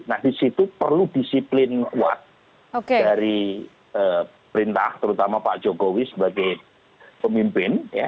nah di situ perlu disiplin kuat dari perintah terutama pak jokowi sebagai pemimpin